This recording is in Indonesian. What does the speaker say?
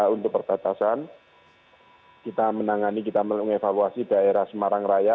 untuk perbatasan kita menangani kita mengevaluasi daerah semarang raya